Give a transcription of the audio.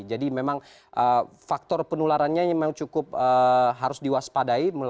jadi memang faktor penularannya memang cukup harus diwaspadai